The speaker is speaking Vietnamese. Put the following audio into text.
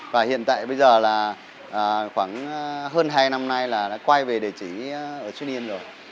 và hiện tại bây giờ là khoảng hơn hai năm nay là đã quay về địa chỉ ở xuyên yên rồi